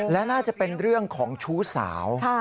และน่าจะเป็นเรื่องของชู้สาว